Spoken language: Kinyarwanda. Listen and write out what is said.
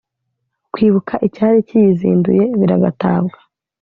Kwibuka icyari kiyizinduye biragatabwa